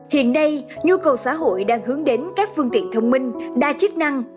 hiện nay nhu cầu xã hội đang hướng đến các phương tiện thông minh đa chức năng